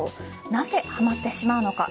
なぜはまってしまうのか。